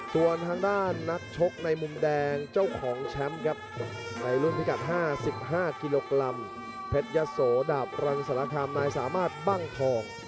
ส่วนทางด้านนักชกในมุมแดงเจ้าของแชมป์ครับในรุ่นพิกัด๕๕กิโลกรัมเพชรยะโสดาบรังสารคามนายสามารถบ้างทอง